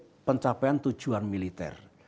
lebih memilih pencapaian tujuan militer